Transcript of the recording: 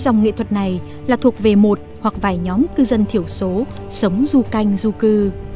dòng nghệ thuật này là thuộc về một hoặc vài nhóm cư dân thiểu số sống du canh du cư